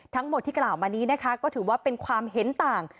ทั้งหมดที่กล่าวมานี้นะคะก็ถือว่าเป็นความเห็นต่าง